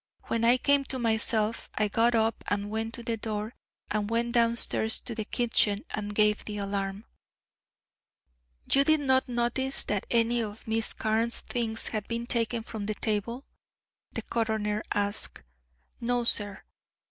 When I came to myself I got up and went to the door, and went downstairs to the kitchen and gave the alarm." "You did not notice that any of Miss Carne's things had been taken from the table?" the coroner asked. "No, sir."